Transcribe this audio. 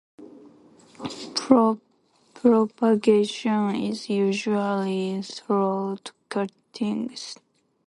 Propagation is usually through cuttings.